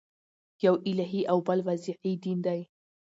یو الهي او بل وضعي دین دئ.